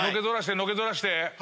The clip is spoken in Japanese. のけ反らして！